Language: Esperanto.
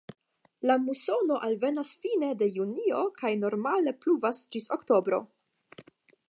La musono alvenas fine de junio kaj normale pluvas ĝis oktobro.